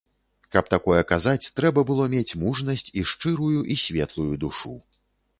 Каб такое казаць, трэба было мець мужнасць і шчырую і светлую душу.